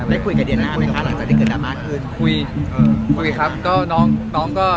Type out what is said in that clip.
แกก็จะคุยกับอีกคำเนอะคุยกับให้คนละมากงั้น